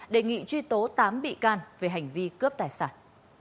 đề nghị truy tố tám bị can về hành vi cướp tài sản